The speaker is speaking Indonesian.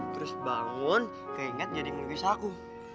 terus bangun keinget jadi ngelukis aku